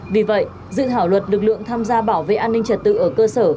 vì vậy dự thảo luật lực lượng tham gia bảo vệ an ninh trật tự ở cơ sở